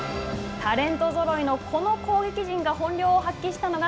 タレントぞろいのこの攻撃陣が本領を発揮したのが、